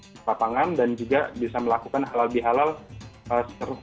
di papangan dan juga bisa melakukan halal di halal secara bersama sama